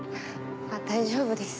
大丈夫です。